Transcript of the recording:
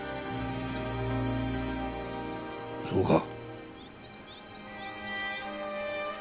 そうか。